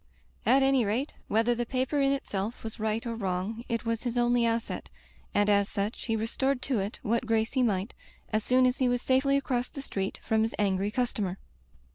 At any rate, whether the paper in itself was right or wrong, it was his only asset, and as such he restored to it what grace he might, as soon as he was safely across the street from his angry customer.